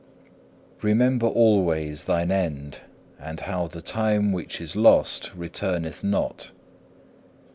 10. Remember always thine end, and how the time which is lost returneth not.